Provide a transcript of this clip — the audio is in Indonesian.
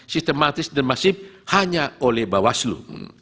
sistematis dan masif hanya oleh bawah selu